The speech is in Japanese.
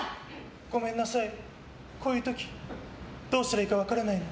ごめんなさい、こういう時どうしたらいいか分からないの。